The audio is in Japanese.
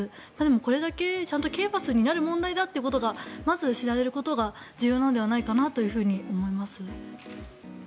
これだけちゃんと刑罰になる問題だということがまず知られることが重要なのではないかなと思います。